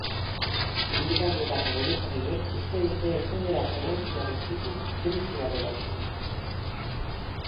Sindikatuetako buruzagiek uste dute ezin dela prebentzioa gutxitu krisia dela eta.